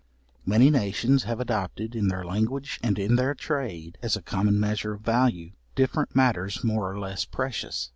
Many nations have adopted in their language and in their trade, as a common measure of value, different matters more or less precious.